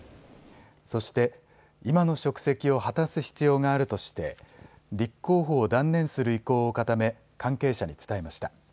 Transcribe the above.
そして今の職責を果たす必要があるとして立候補を断念する意向を固め関係者に伝えました。